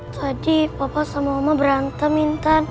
tadi papa sama oma berantem intan